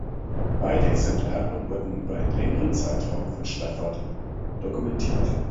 Beide Exemplare wurden über einen längeren Zeitraum von Stafford dokumentiert.